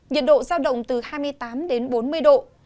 nhiệt độ giao động từ hai mươi tám đến bốn mươi độ